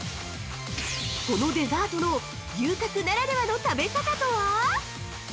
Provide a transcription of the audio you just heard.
このデザートの牛角ならではの食べ方とは！？